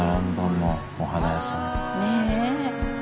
ねえ。